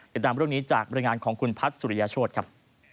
ติดตามเรื่องนี้จากบรรยายงานของคุณพัฒน์สุริยโชธครับ